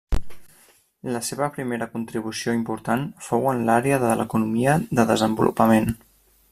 La seva primera contribució important fou en l'àrea de l'economia de desenvolupament.